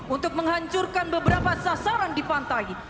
untuk menghancurkan beberapa sasaran di pantai